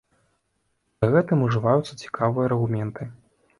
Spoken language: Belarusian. Пры гэтым ужываюцца цікавыя аргументы.